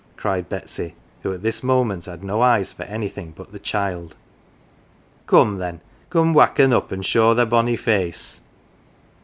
cried Betsy, who at this moment had no eyes for anything but the child, " come then, come wakken up an 1 show thy bonny face."